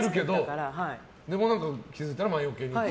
でも、気付いたら魔よけに。